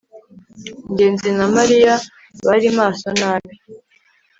ngenzi na mariya bari maso nabi